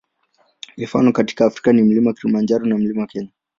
Mifano katika Afrika ni Mlima Kilimanjaro na Mlima Kenya.